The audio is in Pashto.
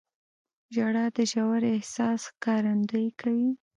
• ژړا د ژور احساس ښکارندویي کوي.